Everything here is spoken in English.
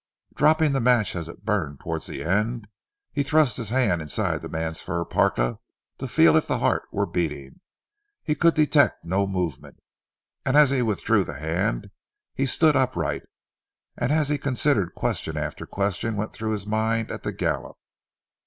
Dropping the match as it burned towards the end, he thrust his hand inside the man's fur parka to feel if the heart were beating. He could detect no movement, and as he withdrew the hand, he stood upright, and as he considered question after question went through his mind at the gallop.